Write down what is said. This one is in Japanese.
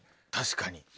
確かに。